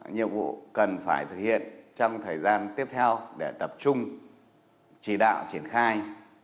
nhiệm vụ cần phải thực hiện trong thời gian tiếp theo để tập trung chỉ đạo triển khai